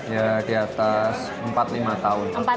ya di atas empat lima tahun